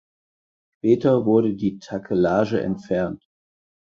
Später wurde die Takelage entfernt.